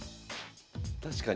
確かに。